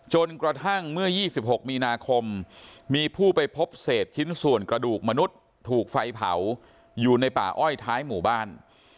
จนกระทั่งเมื่อ๒๖มีนาคมมีผู้ไปพบเศษชิ้นส่วนกระดูกมนุษย์ถูกไฟเผาอยู่ในป่าอ้อยท้ายหมู่บ้าน